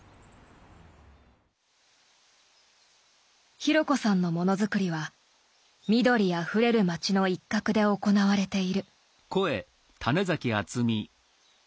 紘子さんの物作りは緑あふれる町の一角で行われている。